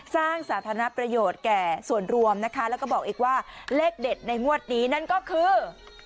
สาธารณประโยชน์แก่ส่วนรวมนะคะแล้วก็บอกอีกว่าเลขเด็ดในงวดนี้นั่นก็คือ